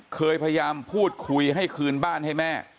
เคยพยายามพูดคุยให้คืนบ้านให้แม่